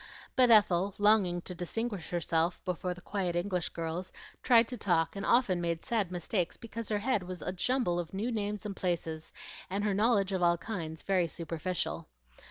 But Ethel, longing to distinguish herself before the quiet English girls, tried to talk and often made sad mistakes because her head was a jumble of new names and places, and her knowledge of all kinds very superficial.